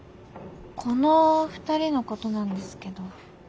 この２人のことなんですけど。